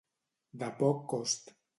De poc cost.